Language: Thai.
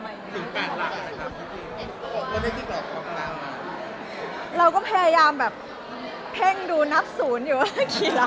พยายามเผ่งดูนับศูนย์อยู่